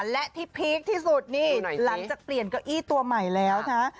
และที่พีคที่สุดนี่หลังจากเปลี่ยนเก้าอี้ตัวใหม่แล้วนะ